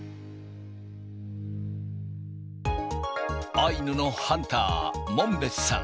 アイヌのハンター、門別さん。